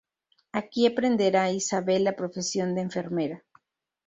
Aquí aprenderá Isabel la profesión de enfermera.